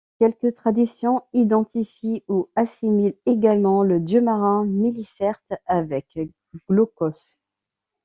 Quelques traditions identifient ou assimilent également le dieu-marin Mélicerte avec Glaucos.